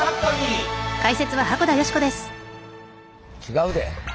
違うで。